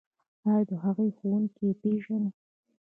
ایا د هغوی ښوونکي پیژنئ؟